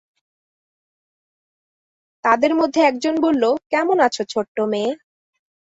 তাদের মধ্যে একজন বলল, কেমন আছ ছোট্ট মেয়ে?